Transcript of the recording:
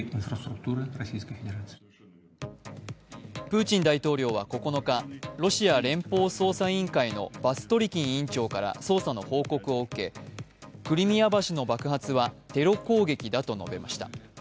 プーチン大統領は９日ロシア連邦捜査委員会のバストリキン委員長から捜査の報告を受けクリミア橋の爆発はテロ攻撃だと述べました。